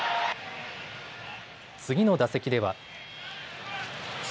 次の打席では。